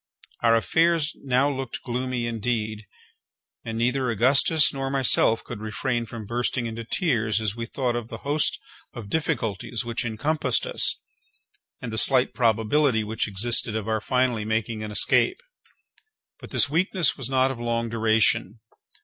Our affairs now looked gloomy indeed, and neither Augustus nor myself could refrain from bursting into tears, as we thought of the host of difficulties which encompassed us, and the slight probability which existed of our finally making an escape. But this weakness was not of long duration.